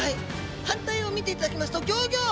反対を見ていただきますとギョギョ！